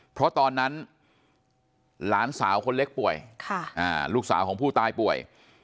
เพราะตอนนั้นหลานสาวคนเล็กป่วยลูกสาวของผู้ตายป่วย